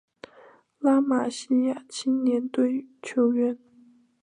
拉玛西亚青年队球员